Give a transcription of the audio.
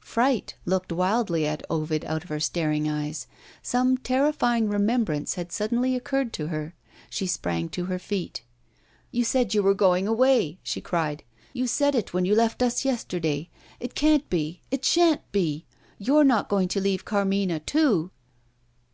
Fright looked wildly at Ovid out of her staring eyes. Some terrifying remembrance had suddenly occurred to her. She sprang to her feet. "You said you were going away," she cried. "You said it, when you left us yesterday. It can't be! it shan't be! You're not going to leave Carmina, too?"